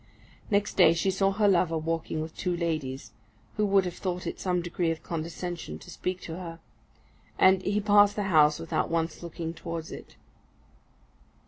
Next day she saw her lover walking with two ladies, who would have thought it some degree of condescension to speak to her; and he passed the house without once looking towards it.